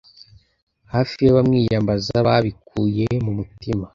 hafi y'abamwiyambaza babikuye ku mutima